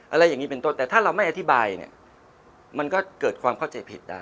อะไรอย่างนี้เป็นต้นแต่ถ้าเราไม่อธิบายเนี่ยมันก็เกิดความเข้าใจผิดได้